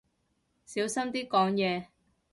小心啲講嘢